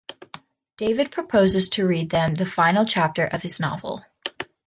David proposes to read them the final chapter of his novel.